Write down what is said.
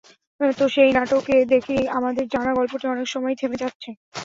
তো, সেই নাটকে দেখি, আমাদের জানা গল্পটি অনেক সময়ই থেমে যাচ্ছে।